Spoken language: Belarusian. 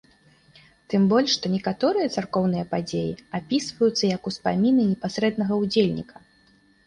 Тым больш, што некаторыя царкоўныя падзеі апісваюцца як успаміны непасрэднага ўдзельніка.